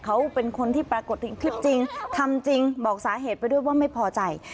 เขาเป็นคนที่ปรากฏถึงคลิปจริงทำจริงบอกสาเหตุไปด้วยว่าไม่พอใจ